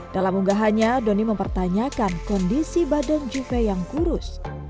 dalam unggahannya doni mempertanyakan kondisi badan juve yang kurus